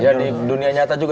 ya di dunia nyata juga